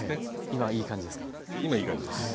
今はいい感じですか？